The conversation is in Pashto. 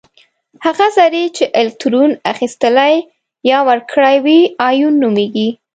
هغه ذرې چې الکترون اخیستلی یا ورکړی وي ایون نومیږي.